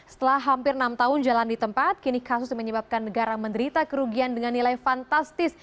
setelah hampir enam tahun jalan di tempat kini kasus yang menyebabkan negara menderita kerugian dengan nilai fantastis